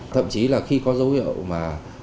thậm chí là khi có dấu hiệu mà